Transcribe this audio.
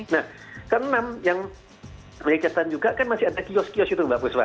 nah ke enam yang berkaitan juga kan masih ada kios kios itu mbak buswa